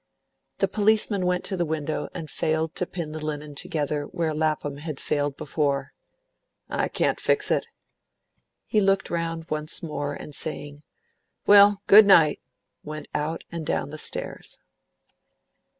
The policeman went to the window and failed to pin the linen together where Lapham had failed before. "I can't fix it." He looked round once more, and saying, "Well, good night," went out and down the stairs.